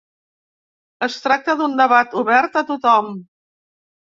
Es tracta d'un debat obert a tothom.